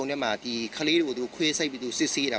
มันไม่ใช่แหละมันไม่ใช่แหละ